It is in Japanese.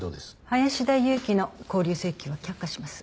林田裕紀の勾留請求は却下します。